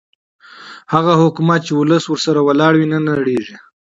هغه حکومت چې ولس ورسره ولاړ وي نه نړېږي